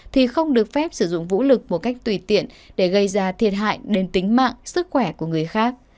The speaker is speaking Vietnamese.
thì không được phép sử dụng vũ lực một cách tùy tiện để gây ra thiệt hại đến tính mạng sức khỏe của người khác